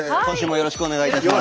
よろしくお願いします。